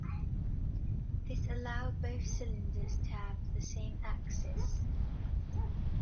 This allowed both cylinders to have the same axis.